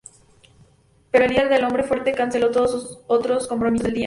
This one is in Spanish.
Pero el líder del hombre fuerte canceló todos sus otros compromisos del día.